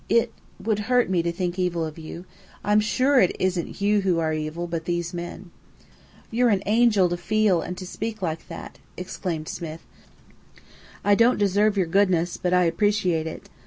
"It would hurt me to think evil of you. I'm sure it isn't you who are evil, but these men." "You're an angel to feel like that and speak like that!" exclaimed Smith. "I don't deserve your goodness, but I appreciate it.